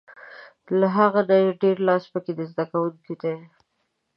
له هغه نه ډېر لاس په کې د زده کوونکي دی.